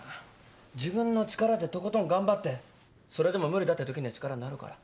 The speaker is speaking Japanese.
自分の力でとことん頑張ってそれでも無理だってときには力になるから。